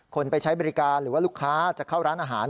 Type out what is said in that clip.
ไปใช้บริการหรือว่าลูกค้าจะเข้าร้านอาหาร